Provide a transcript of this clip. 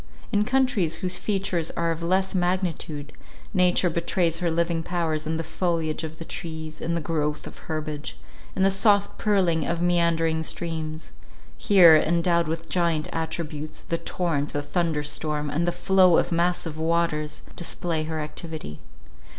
In countries whose features are of less magnitude, nature betrays her living powers in the foliage of the trees, in the growth of herbage, in the soft purling of meandering streams; here, endowed with giant attributes, the torrent, the thunder storm, and the flow of massive waters, display her activity.